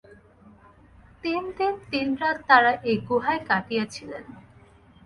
তিন দিন তিন রাত তাঁরা এই গুহায় কাটিয়েছিলেন।